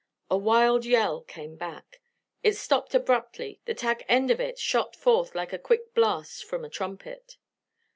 A wild yell came back. It stopped abruptly, the tag end of it shot forth like the quick last blast from a trumpet.